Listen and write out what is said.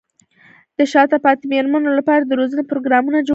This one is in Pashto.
د شاته پاتې مېرمنو لپاره د روزنې پروګرامونه جوړ شي.